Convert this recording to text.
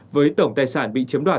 với tỉnh thanh hóa